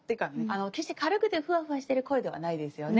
あの決して軽くてフワフワしてる声ではないですよね。